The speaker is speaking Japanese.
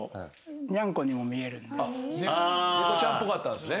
猫ちゃんっぽかったんですね。